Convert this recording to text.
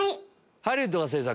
ハリウッドが製作